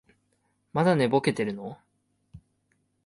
まだ寝ぼけてるの？